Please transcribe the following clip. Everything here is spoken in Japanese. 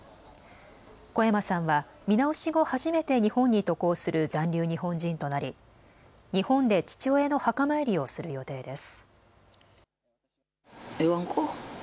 小山さんは見直し後、初めて日本に渡航する残留日本人となり日本で父親の墓参りをする予定です。